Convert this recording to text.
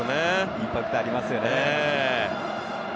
インパクトありますよね。